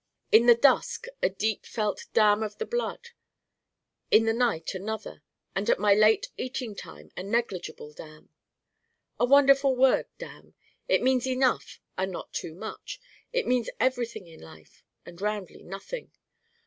In the dusk a deep felt Damn of the blood. In the night another. And at my late eating time a negligible Damn. A wonderful word, Damn. It means enough and not too much. It means everything in life, and roundly nothing.